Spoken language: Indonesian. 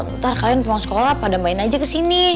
ntar kalian pulang sekolah pada main aja kesini